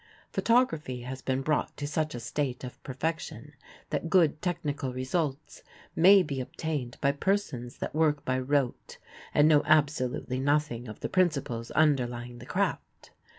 Photography has been brought to such a state of perfection that good technical results may be obtained by persons that work by rote and know absolutely nothing of the principles underlying the craft.